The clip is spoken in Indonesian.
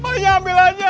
kepalinya ambil aja